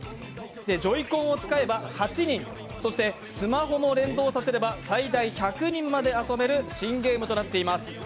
ジョイコンを使えば８人そしてスマホも連動させれば最大１００人まで遊べる新ゲームとなっています。